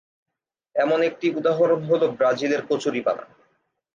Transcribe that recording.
এমন একটি উদাহরণ হলো ব্রাজিলের কচুরিপানা।